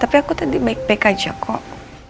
tapi aku tadi baik baik aja kok